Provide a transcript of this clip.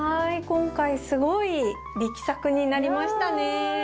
今回すごい力作になりましたね。